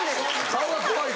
顔が怖い